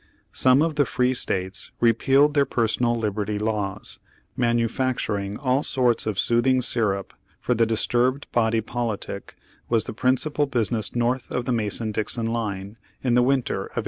Some of the free States repealed their Personal Liberty Laws. Manufacturing all sorts Page Forty three Page Forty four of soothing syrup for the disturbed body politic was the principal business north of the Mason and Dixon Line in the winter of 1861.